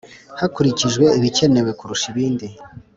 hakurikijwe ibikenewe kurusha ibindi.